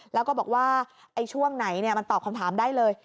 แล้วก็บอกว่าช่วงไหนมันตอบคำถามได้เลย